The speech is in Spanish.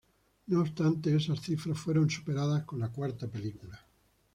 No obstante, esas cifras fueron superadas con la cuarta película.